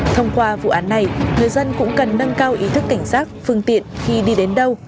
thông qua vụ án này người dân cũng cần nâng cao ý thức cảnh giác phương tiện khi đi đến đâu